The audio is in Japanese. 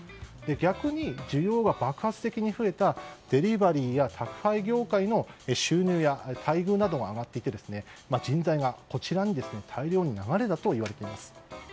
逆に需要が爆発的に増えたデリバリーや宅配業界の収入や待遇などが上がっていて、人材がこちらに大量に流れたといわれています。